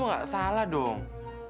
nggak salah dong